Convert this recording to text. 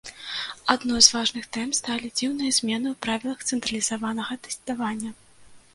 Адной з важных тэм сталі дзіўныя змены ў правілах цэнтралізаванага тэставання.